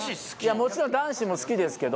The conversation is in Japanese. もちろん男子も好きですけど。